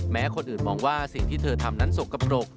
คนอื่นมองว่าสิ่งที่เธอทำนั้นสกปรก